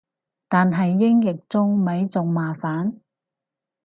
但係英譯中咪仲麻煩